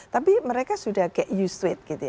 tapi mereka sudah get used to it